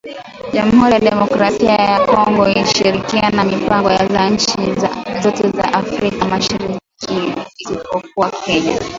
Jamuhuri ya Demokrasia ya Kongo inashirikiana mipaka na nchi zote za Afrika Mashariki isipokuwa Kenya